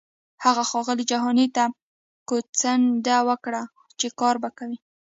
هغه ښاغلي جهاني ته کوتڅنډنه وکړه چې کار به کوي.